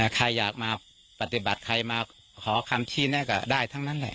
ใครอยากมาปฏิบัติใครมาขอคำชี้แน่ก็ได้ทั้งนั้นแหละ